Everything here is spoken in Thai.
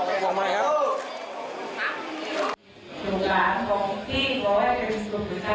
กับแม่ของผู้พิจารณ์